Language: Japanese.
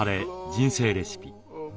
人生レシピ」。